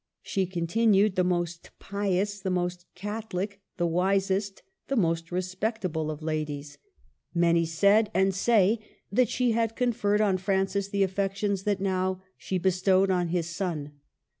She continued the most pious, the most Catho lic, the wisest, the most respectable of ladies. I/O MARGARET OF ANGOULEME. Many said, and say, that she had conferred on Francis the affections that now she bestowed on his son.